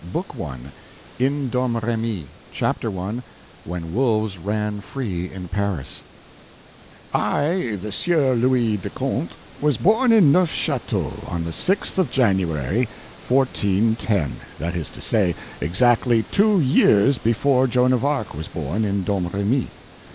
BOOK I IN DOMREMY Chapter 1 When Wolves Ran Free in Paris I, THE SIEUR LOUIS DE CONTE, was born in Neufchateau, on the 6th of January, 1410; that is to say, exactly two years before Joan of Arc was born in Domremy.